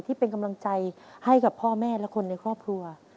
ที่เป็นกำลังใจให้กับพ่อแม่และคนในครอบครัว